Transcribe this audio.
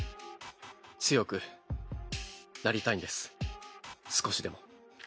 強くなりたいんです少しでも。